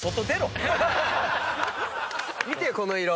見てこの色。